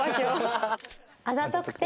あざとくて。